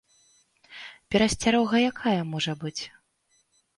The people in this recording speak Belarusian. Перасцярога якая можа быць?